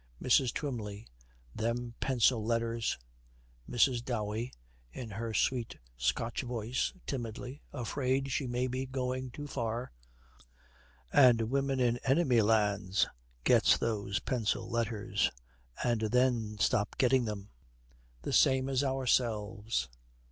MRS. TWYMLEY. 'Them pencil letters!' MRS. DOWEY, in her sweet Scotch voice, timidly, afraid she may be going too far, 'And women in enemy lands gets those pencil letters and then stop getting them, the same as ourselves.